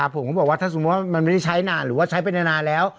ผมก็บอกว่าถ้าสมมุติว่ามันไม่ได้ใช้นานหรือว่าใช้ไปนานแล้ว